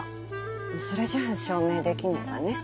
それじゃ証明できないわね